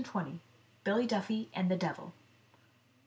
BILLY DUFFY AND THE DEVIL.